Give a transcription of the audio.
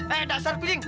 eh dasar kucing